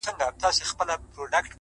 خدایه نور یې د ژوندو له کتار باسه;